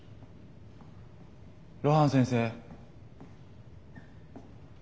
露伴先生。